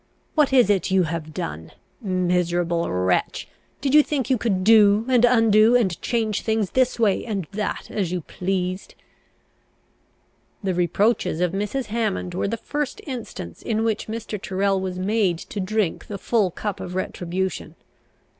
What is it you have done? Miserable wretch! did you think you could do and undo, and change things this way and that, as you pleased?" The reproaches of Mrs. Hammond were the first instance in which Mr. Tyrrel was made to drink the full cup of retribution.